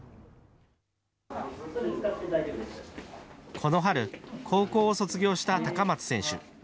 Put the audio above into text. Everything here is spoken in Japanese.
この春、高校を卒業した高松選手。